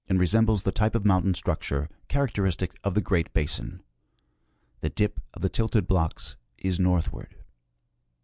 191 sembles the tyjoe of mountain structure characteristic of the great basin. The dip of the tilted blocks is northward.